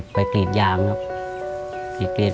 แต่บทจากเมื่อรถถัด